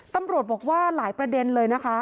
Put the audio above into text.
ตำรวจบอกว่าหลายประเด็นเลยนะคะ